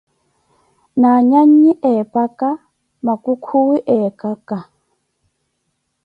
Na anyanyi eepaka, makukhuwi eekaka.